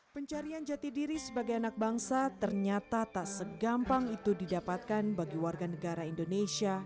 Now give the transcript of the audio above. pencarian jati diri sebagai anak bangsa ternyata tak segampang itu didapatkan bagi warga negara indonesia